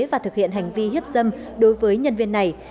và thực hiện hành vi hiếp dâm đối với nhân viên này